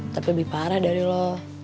tapi lebih parah dari lo